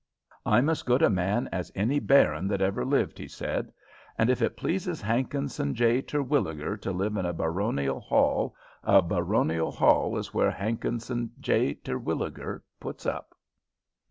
"I'm as good a man as any baron that ever lived," he said; "and if it pleases Hankinson J. Terwilliger to live in a baronial hall, a baronial hall is where Hankinson J. Terwilliger puts up."